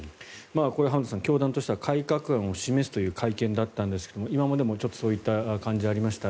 浜田さん、教団としては改革案を示すという会見だったんですが今までもそういった感じがありました。